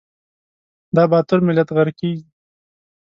دا باتور ملت غرقیږي